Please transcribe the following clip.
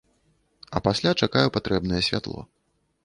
А пасля чакаю патрэбнае святло.